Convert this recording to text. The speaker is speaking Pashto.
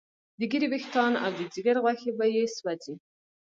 د ږیرې ویښتان او د ځیګر غوښې به یې سوځي.